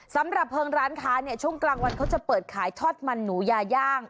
สำหรับเพลิงร้านค้าเนี่ยช่วงกลางวันเขาจะเปิดขายทอดมันหนูยาย่าง